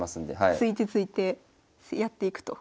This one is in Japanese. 突いて突いてやっていくと。